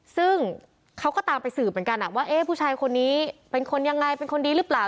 ซึ่งเขาก็ตามไปสืบเหมือนกันว่าเอ๊ะผู้ชายคนนี้เป็นคนยังไงเป็นคนดีหรือเปล่า